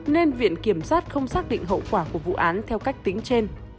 nên viện kiểm sát không xác định hậu quả của vụ án theo cách tính trên